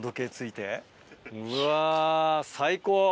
うわ最高。